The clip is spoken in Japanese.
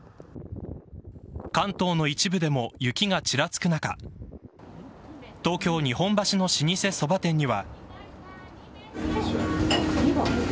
関東の一部でも雪がちらつく中東京・日本橋の老舗そば店には。